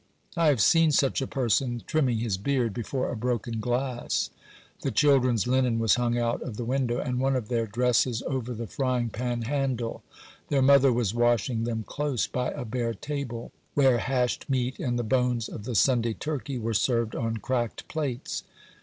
I have seen such a person trim 68 OBERMANN ming his beard before a broken glass ; the children's linen was hung out of the window and one of their dresses over the frying pan handle; their mother was washing them close by a bare table, where hashed meat and the bones of the Sunday turkey were served on cracked plates.